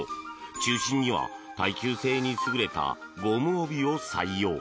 中心には耐久性に優れたゴム帯を採用。